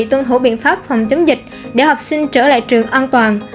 tuân thủ biện pháp phòng chống dịch để học sinh trở lại trường an toàn